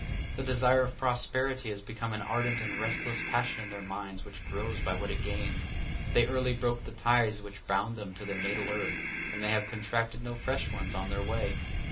The desire of prosperity is become an ardent and restless passion in their minds which grows by what it gains. They early broke the ties which bound them to their natal earth, and they have contracted no fresh ones on their way.